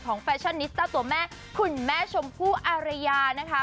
แฟชั่นนิสต้าตัวแม่คุณแม่ชมพู่อารยานะคะ